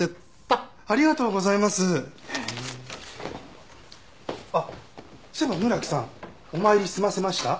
あっそういえば村木さんお参り済ませました？